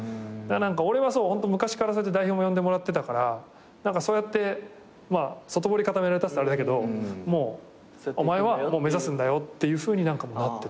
俺はホント昔から代表も呼んでもらってたから何かそうやって外堀固められたって言ったらあれだけどもうお前は目指すんだよっていうふうになってた。